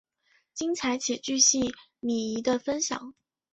精彩且钜细靡遗的分享